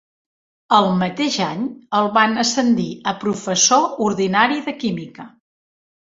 El mateix any, el van ascendir a professor ordinari de Química.